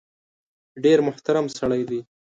ډېر محترم سړی دی .